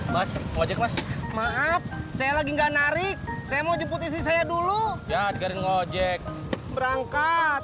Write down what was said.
mas mas saya lagi enggak narik saya mau jemput isi saya dulu ya jadinya ojek berangkat